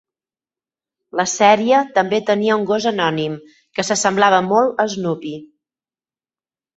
La sèrie també tenia un gos anònim que s'assemblava molt a Snoopy.